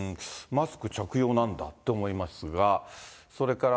マスク着用なんだって思いますが。